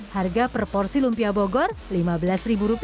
harga per porsi lumpia bogor rp lima belas